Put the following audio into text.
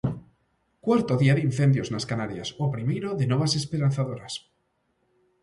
Cuarto día de incendios nas Canarias, o primeiro de novas esperanzadoras.